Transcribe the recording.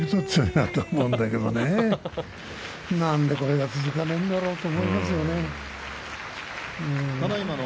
なんでこれが続かないんだろうなと思いますね。